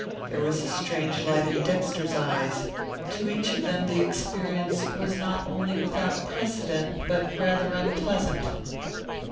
There was a strange light in Dexter's eyes. To each of them the experience was not only without precedent but rather unpleasant.